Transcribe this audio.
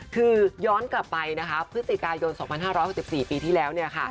คือย้อนกลับไปนะคะพฤศจิกายน๒๕๖๔ปีที่แล้วเนี่ยค่ะ